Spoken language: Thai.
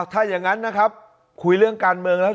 ถ้าอย่างนั้นนะครับคุยเรื่องการเมืองแล้ว